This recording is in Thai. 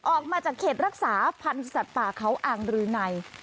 ออกมาจากเขตรักษาพันธ์สัตว์ป่าเขาอ่างรืนัย